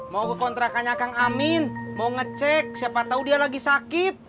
mau ke kontrakannya kang amin mau ngecek siapa tahu dia lagi sakit